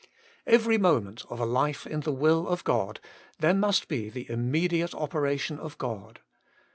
Every moment of a life in the will of God there must be the im mediate operation of God.